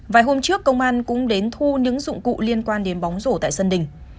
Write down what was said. vài hôm trước công an cũng đến thu những dụng cụ liên quan đến bóng rổ tại sân đình